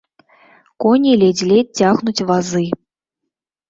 Коні ледзь-ледзь цягнуць вазы.